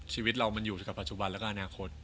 ชีวิตเรามันอยู่กับปัจจุบันแล้วก็อนาคต